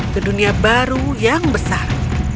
ke dunia baru yang besar